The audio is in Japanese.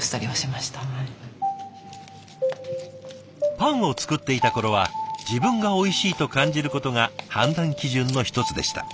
パンを作っていた頃は自分が「おいしい」と感じることが判断基準の一つでした。